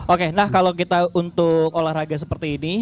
oke nah kalau kita untuk olahraga seperti ini